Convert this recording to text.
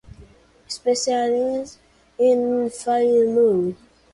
Specializing in failure.